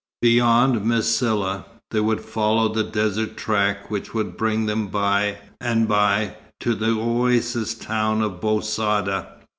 Beyond Msila, they would follow the desert track which would bring them by and by to the oasis town of Bou Saada.